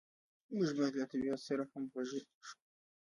موږ باید له طبیعت سره همغږي شو.